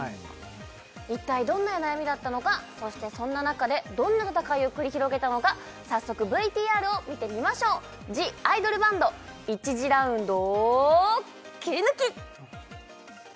一体どんな悩みだったのかそしてそんな中でどんな戦いを繰り広げたのか早速ＶＴＲを見てみましょう「ＴＨＥＩＤＯＬＢＡＮＤ」１次ラウンドをキリヌキッ！